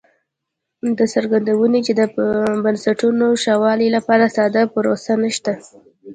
دا څرګندوي چې د بنسټونو ښه والي لپاره ساده پروسه نشته